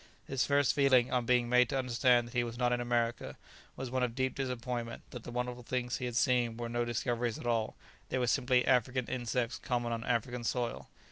His first feeling, on being made to understand that he was not in America, was one of deep disappointment that the wonderful things he had seen were no discoveries at all; they were simply African insects common on African soil.